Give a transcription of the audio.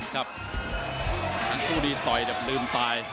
ครับทั้งคู่ดีต่อยแต่ลืมตาย